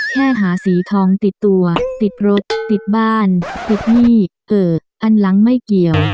แค่หาสีทองติดตัวติดรถติดบ้านติดหนี้เอออันหลังไม่เกี่ยว